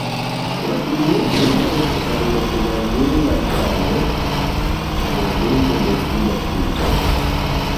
La plimulto loĝas en Kvazulu-Natalo, provinco de Sud-Afriko.